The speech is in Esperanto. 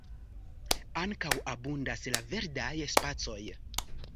Ankaŭ abundas la verdaj spacoj.